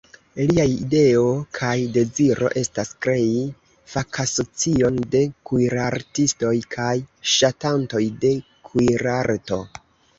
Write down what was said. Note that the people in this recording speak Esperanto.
Liaj ideo kaj deziro estas krei fakasocion de kuirartistoj kaj ŝatantoj de kuirarto.